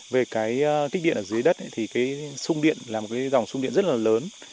về cái kích điện ở dưới đất thì cái sung điện là một dòng sung điện rất là lớn